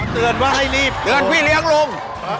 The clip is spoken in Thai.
เตือนพี่เลี้ยงลง